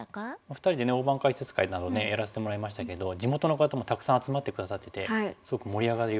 ２人で大盤解説会などやらせてもらいましたけど地元の方もたくさん集まって下さっててすごく盛り上がりを。